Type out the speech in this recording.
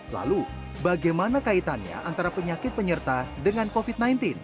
lalu bagaimana kaitannya antara penyakit penyerta dengan covid sembilan belas